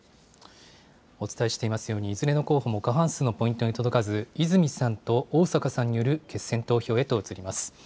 お伝えしていますように、いずれの候補も過半数のポイントに届かず、泉さんと逢坂さんによる決選投票へと移ります。